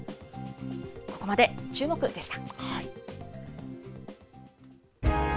ここまでチューモク！でした。